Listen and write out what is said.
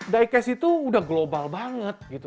diecast itu sudah global banget